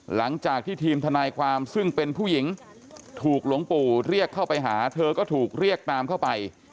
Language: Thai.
หลังจากที่ทีมทนายความซึ่งเป็นผู้หญิงถูกหลวงปู่เรียกเข้าไปหาเธอก็ถูกเรียกตามเข้าไป